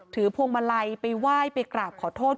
พวงมาลัยไปไหว้ไปกราบขอโทษ